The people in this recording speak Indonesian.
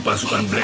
kau tak mau